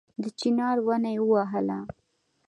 د چينار ونه يې ووهله